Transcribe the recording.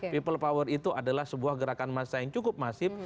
people power itu adalah sebuah gerakan massa yang cukup masif